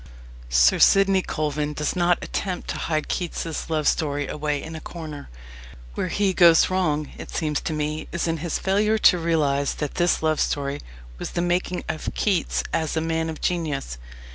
Sir Sidney Colvin does not attempt to hide Keats's love story away in a corner. Where he goes wrong, it seems to me, is in his failure to realize that this love story was the making of Keats as a man of genius.